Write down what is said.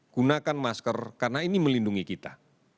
gunakan masker karena ini melindungi kita